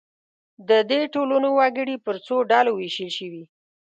د دې ټولنو وګړي پر څو ډلو وېشل شوي.